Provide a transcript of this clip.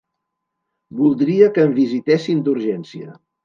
Voldria que em visitessin d'urgència.